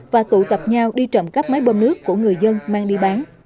và tụ tập nhau đi trộm cắp máy bơm nước của người dân mang đi bán